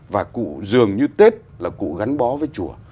và cụ dường như tết là cụ gắn bó với chùa